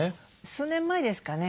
数年前ですかね